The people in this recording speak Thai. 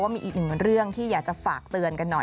มีอีกหนึ่งเรื่องที่อยากจะฝากเตือนกันหน่อย